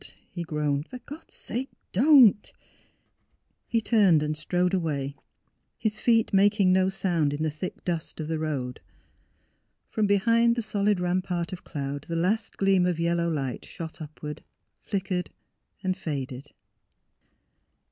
he groaned. "For God's sake — don't!" He turned and strode away, his feet making no sound in the thick dust of the road. From behind the solid rampart of cloud the last gleam of yel low light shot upward, flickered and faded.